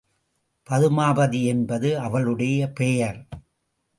பதுமாபதி என்பது அவளுடைய பெயர்.